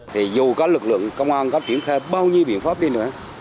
thì dù có lực lượng công an có chuyển khai bao nhiêu biện pháp đi nữa